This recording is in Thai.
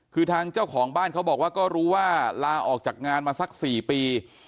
คือทางเจ้าของบ้านเขาบอกว่าก็รู้ว่าลาออกจากงานมาสัก๔ปี